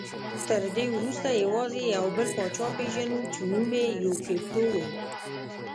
تر دې وروسته یوازې یو بل پاچا پېژنو چې نوم یې یوکیت ټو و